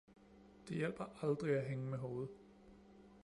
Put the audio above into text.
Det hjælper aldrig at hænge med hovedet